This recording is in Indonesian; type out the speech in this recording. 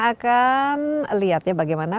akan lihatnya bagaimana